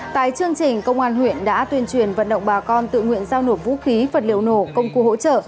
tại chương trình công an huyện đã tuyên truyền vận động bà con tự nguyện giao nộp vũ khí vật liệu nổ công cụ hỗ trợ